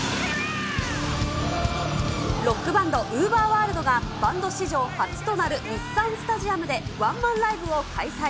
ロックバンド、ＵＶＥＲｗｏｒｌｄがバンド史上初となる日産スタジアムでワンマンライブを開催。